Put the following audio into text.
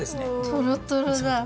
トロトロだ。